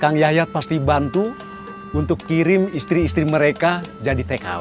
kang yayat pasti bantu untuk kirim istri istri mereka jadi tkw